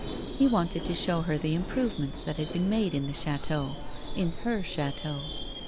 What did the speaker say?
He wanted to show her the improvements that had been made in the chateau ; in her chateau.